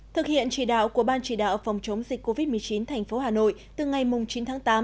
thực hiện chỉ đạo của ban chỉ đạo phòng chống dịch covid một mươi chín thành phố hà nội từ ngày chín tháng tám